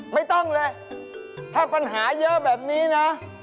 ไม่ต้องเลยถ้าปัญหาเยอะแบบนี้นะ